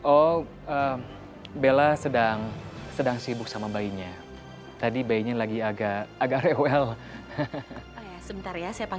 oh bella sedang sedang sibuk sama bayinya tadi bayinya lagi agak agak rewel ayo sebentar ya